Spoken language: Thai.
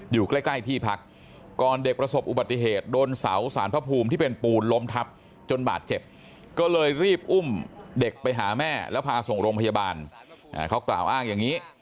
อยู่ใกล้ที่พักก่อนเด็กประสบอุบัติเหตุโดนเสาสารพระภูมิที่เป็นปูนล้มทับจนบาดเจ็บก็เลยรีบอุ้มเด็กไปหาแม่แล้วพาส่งโรงพยาบาลเขากล่าวอ้างอย่างนี้